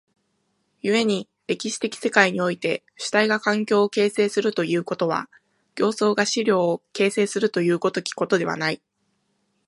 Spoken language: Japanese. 故に歴史的世界において主体が環境を形成するということは、形相が質料を形成するという如きことではない。